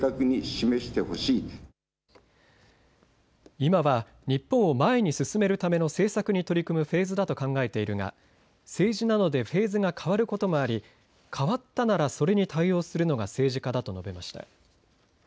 今は日本を前に進めるための政策に取り組むフェーズだと考えているが政治なのでフェーズが変わることもあり変わったならそれに対応するのが政治家だと述べました。